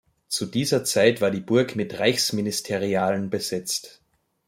Zu dieser Zeit war die Burg mit Reichsministerialen besetzt.